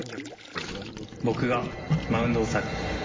僕がマウンドを去る。